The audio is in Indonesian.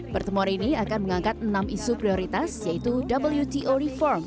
pertemuan ini akan mengangkat enam isu prioritas yaitu wto reform